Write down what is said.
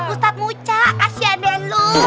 ustadz mursa kasih ade lu